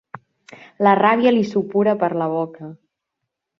La ràbia li supura per la boca.